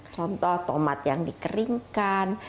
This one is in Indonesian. contoh tomat yang dikeringkan